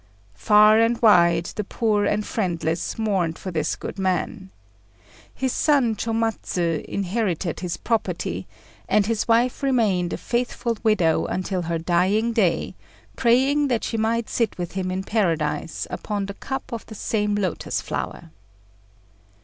Far and wide, the poor and friendless mourned for this good man. His son Chômatsu inherited his property; and his wife remained a faithful widow until her dying day, praying that she might sit with him in paradise upon the cup of the same lotus flower.